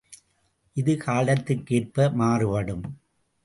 இது காலத்திற் கேற்ப மாறுபடும்.